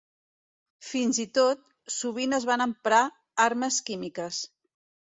Fins i tot, sovint es van emprar armes químiques.